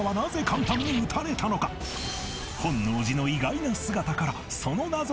さらに本能寺の意外な姿からその謎に迫る